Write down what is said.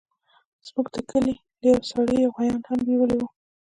زموږ د کلي له يوه سړي يې غويان هم بيولي وو.